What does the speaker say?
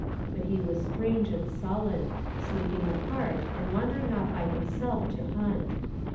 But he was strange and sullen, sleeping apart and wandering off by himself to hunt.